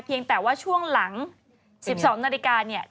เพียงแต่ว่าช่วงหลัง๑๒นาฬิกาเนี่ย